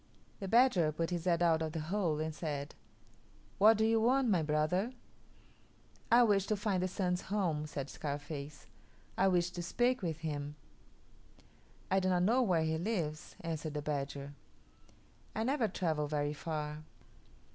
The badger put his head out of the hole and said, "What do you want, my brother?" "I wish to find the Sun's home," said Scarface. "I wish to speak with him." "I do not know where he lives," answered the badger. "I never travel very far.